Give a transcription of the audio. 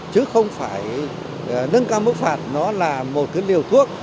chứ không phải nâng cao mức phạt nó là một cái liều thuốc